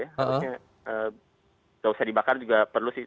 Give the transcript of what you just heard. tidak usah dibakar juga perlu sih